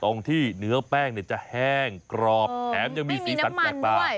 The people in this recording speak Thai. ตรงที่เนื้อแป้งเนี่ยจะแห้งกรอบแถมยังมีสีตัดแสดงปลา